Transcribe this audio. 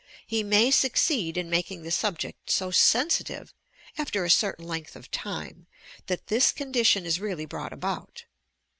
he may succeed in making the subject so sensitive, after a certain length of time, that this condition is really brought about.